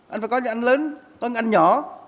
anh phải có những anh lớn có những anh nhỏ